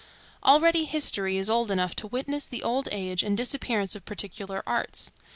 Already History is old enough to witness the old age and disappearance of particular arts.